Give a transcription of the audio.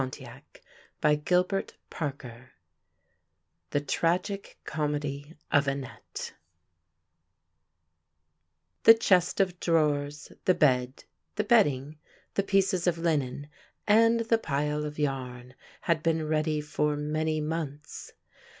THE TRAGIC COMEDY OF ANNETTE THE TRAGIC COMEDY OF ANNETTE THE chest of drawers, the bed, the bedding, the pieces of linen and the pile of yarn had been ready for many months.